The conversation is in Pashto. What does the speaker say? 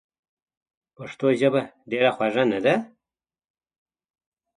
پښتو ژبه ډېره خوږه نده؟!